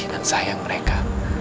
dan sayang mereka